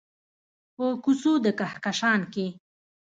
په کوڅو د کهکشان کې